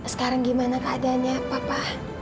sekarang gimana keadanya papa